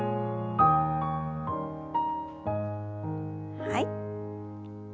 はい。